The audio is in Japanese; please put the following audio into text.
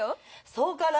そうかな？